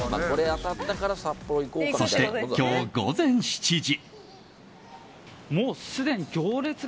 そして今日午前７時。